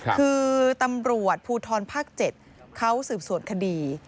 คือตำรวจภูทรภาค๗เขาสืบสวนคดี